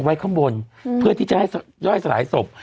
ไว้ข้างบนเพื่อที่จะย่อไปสลายสม